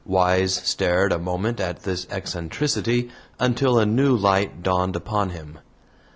Wise stared a moment at this eccentricity until a new light dawned upon him.